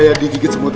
tuh gigit semut